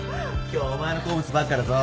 今日はお前の好物ばっかだぞ。